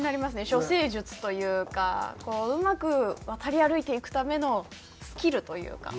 処世術というかうまく渡り歩いていくためのスキルというか。